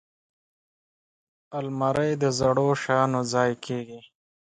الماري د زړو شیانو ځای کېږي